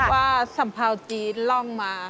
ว่าสัมพาวจีนล่องมา